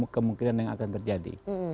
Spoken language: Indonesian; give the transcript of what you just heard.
kemungkinan yang akan terjadi